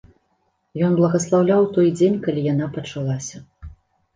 Ён благаслаўляў той дзень, калі яна пачалася.